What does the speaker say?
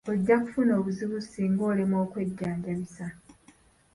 Ojja kufuna obuzibu singa olemwa okwejjanjabisa.